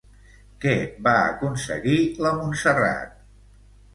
Què va aconseguir la Montserrat?